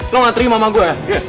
lo gak terima sama gue